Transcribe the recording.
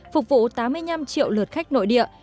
phục vụ tám mươi năm triệu lượt khách nội địa